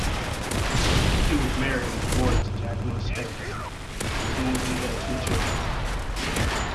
He was married and divorced to Jacqueline Stakes, with whom he had two children.